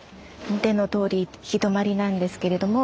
見てのとおり行き止まりなんですけれども。